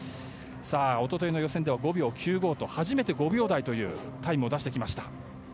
一昨日の予選では５秒９５と初めて５秒台というタイムを出してきました。